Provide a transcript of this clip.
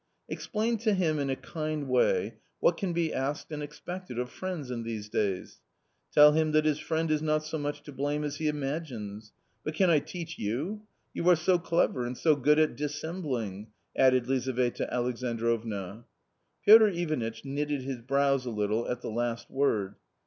Explain to him in a kind way what can be asked and expected of friends in these days ; tell him that his friend is not so much to blame as he imagines. But can I teach you? You are so clever, and so good at dissembling," added Lizaveta Alexandrovna. Piotr Ivanitch knitted his brows a little at the last word.